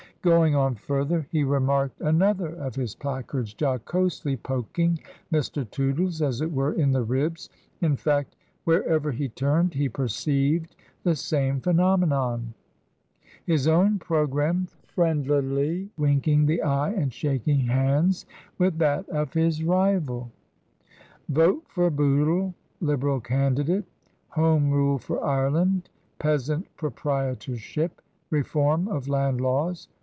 Going on further, he remarked another of his placards jocosely poking Mr. Tootle's, as it were, in the ribs; in fact, wherever he turned he perceived the same phenomenon :— his own programme friendlily winking the eye and shaking hands with that of his rival. VOTE FOR BOOTLE, LIBERAL CANDIDATE. Home Rule for Ireland. Peasant Proprietorship. Reform of Land Laws.